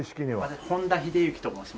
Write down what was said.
私本田英之と申します。